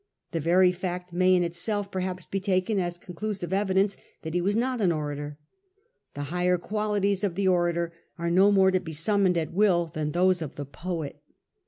The very fact may in itself perhaps be taken as conclusive evidence that he was not an orator. The higher qualities of the orator are no more to be summoned at will than those of the poet.